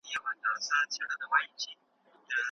په سياست کي ونډه اخېستل مهم ټولنيز مسؤليت دی.